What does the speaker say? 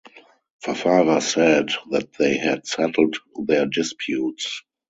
Fafara said that they had settled their disputes.